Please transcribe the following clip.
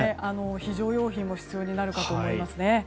非常用品も必要になると思います。